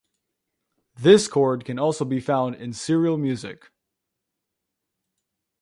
This chord can also be found in serial music.